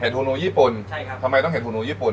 เห็ดฮูนูญี่ปุ่นทำไมต้องเห็ดฮูนูญี่ปุ่น